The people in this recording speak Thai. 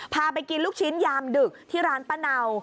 พาไปกินลูกชิ้นยามดึกที่ร้านป้าเนา